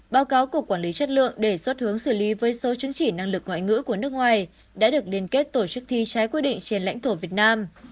báo cáo cục quản lý chất lượng đề xuất hướng xử lý với số chứng chỉ năng lực ngoại ngữ của nước ngoài đã được liên kết tổ chức thi trái quy định trên lãnh thổ việt nam